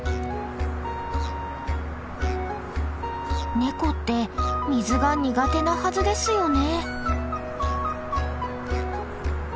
ネコって水が苦手なはずですよね。